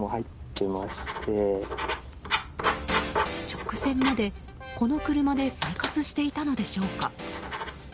直前まで、この車で生活していたのでしょうか。